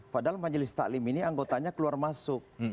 padahal majelis taklim ini anggotanya keluar masuk